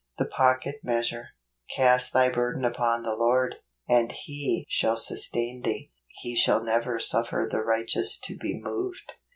The Pocket Measure. " Cast thy burden upon the Lord , and he shall sustain thee: he shall never suffer the righteous to be moved."